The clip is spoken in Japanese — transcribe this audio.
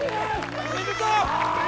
おめでとう！